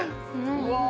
うわ！